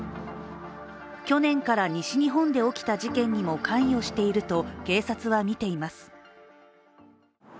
去年から西日本で起きた事件にも関与していると警察はみています。